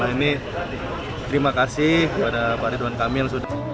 ini terima kasih kepada pak ridwan kamil